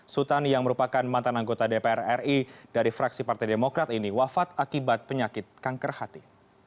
sultan yang merupakan mantan anggota dpr ri dari fraksi partai demokrat ini wafat akibat penyakit kanker hati